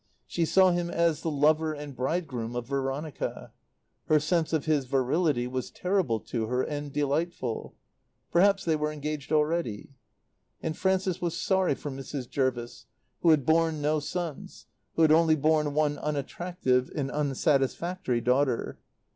She saw him as the lover and bridegroom of Veronica. Her sense of his virility was terrible to her and delightful. Perhaps they were engaged already. And Frances was sorry for Mrs. Jervis, who had borne no sons, who had only borne one unattractive and unsatisfactory daughter.